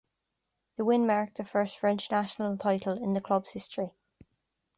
The win marked the first French national title in the club's history.